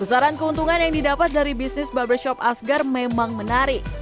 besaran keuntungan yang didapat dari bisnis barbershop asgar memang menarik